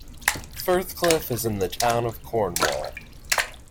Firthcliffe is in the Town of Cornwall.